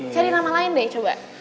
cari nama lain deh coba